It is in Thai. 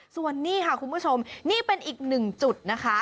ส่วนนี้ค่ะคุณผู้ชมนี่เป็นอีกหนึ่งจุดนะคะ